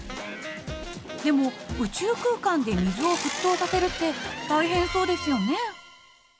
でも宇宙空間で水を沸騰させるって大変そうですよね？